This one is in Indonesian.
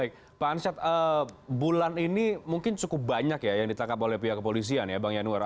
baik pak ansyad bulan ini mungkin cukup banyak ya yang ditangkap oleh pihak kepolisian ya bang yanuar